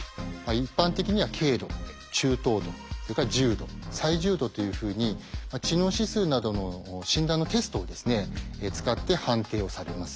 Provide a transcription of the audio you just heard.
一般的には軽度中等度それから重度最重度というふうに知能指数などの診断のテストを使って判定をされます。